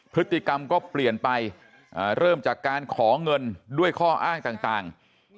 พฤติกรรมก็เปลี่ยนไปเริ่มจากการขอเงินด้วยข้ออ้างต่าง